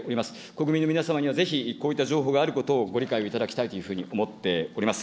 国民の皆様にはぜひ、こうした情報があることをご理解をいただきたいというふうに思っております。